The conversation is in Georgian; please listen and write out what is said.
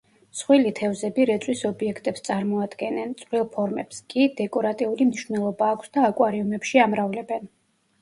მსხვილი თევზები რეწვის ობიექტებს წარმოადგენენ, წვრილ ფორმებს კი დეკორატიული მნიშვნელობა აქვს და აკვარიუმებში ამრავლებენ.